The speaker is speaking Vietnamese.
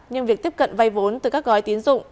nhưng việc tiếp cận vay vốn từ các gói tiến dụng